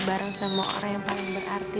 bareng sama orang yang paling berarti